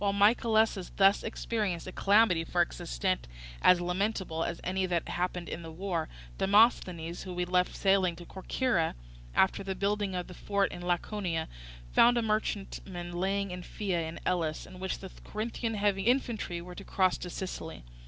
While Mycalessus thus experienced a calamity for its extent as lamentable as any that happened in the war, Demosthenes, whom we left sailing to Corcyra, after the building of the fort in Laconia, found a merchantman lying at Phea in Elis, in which the Corinthian heavy infantry were to cross to Sicily.